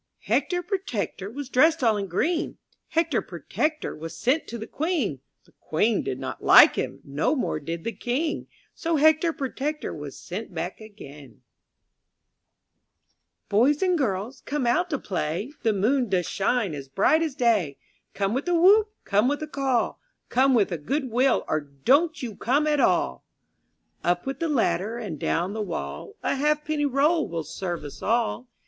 TJr ECTOR Protector was dressed all in green ;■ Hector Protector was sent to the Queen; The Queen did not like him. No more did the King; So Hector Protector was sent back again. 28 I N THE NURSERY DOYS and girls, come out to play; ^^ The moon doth shine as bright as day. Come with a whoop, come with a call, Come with a good will, or don't you come at all!| Up with the ladder and down the wall, A halfpenny roll will serve us all.